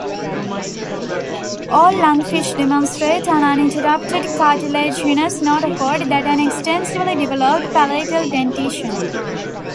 All lungfish demonstrate an uninterrupted cartilaginous notochord and an extensively developed palatal dentition.